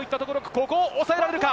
ここを抑えられるか？